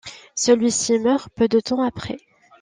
Celui-ci meurt peu de temps après.